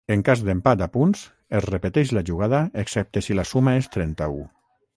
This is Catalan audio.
En cas d'empat a punts es repeteix la jugada excepte si la suma és trenta-u.